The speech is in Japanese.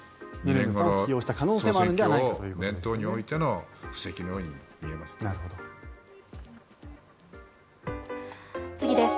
２年後の総選挙を念頭に置いての布石のように見えます。